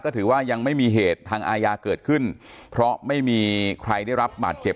ถือว่ายังไม่มีเหตุทางอาญาเกิดขึ้นเพราะไม่มีใครได้รับบาดเจ็บ